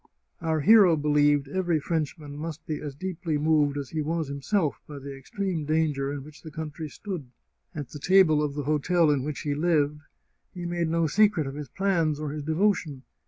Our hero be lieved every Frenchman must be as deeply moved as he was himself by the extreme danger in which the country stood. At the table of the hotel in which he lived, he made no secret of his plans or his devotion.